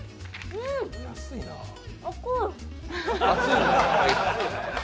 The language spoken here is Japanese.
熱い。